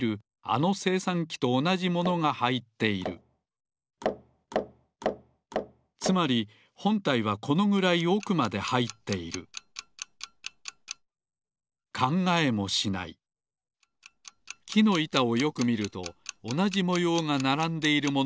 あのせいさんきとおなじものがはいっているつまりほんたいはこのぐらいおくまではいっているきのいたをよくみるとおなじもようがならんでいるものがある。